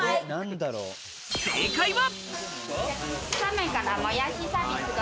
正解は。